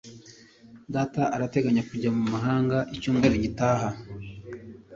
data arateganya kujya mu mahanga mu cyumweru gitaha